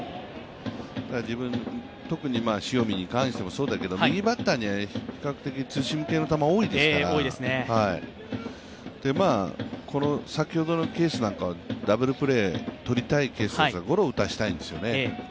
自分、特に塩見に関してもそうだけど右バッターには比較的ツーシーム系の球が多いですから、先ほどのケースなんかはダブルプレーとりたいケースですが、ゴロを打たせたいんですよね。